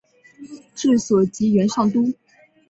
治所即元上都。